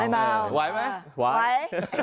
มาไหวไหมไหว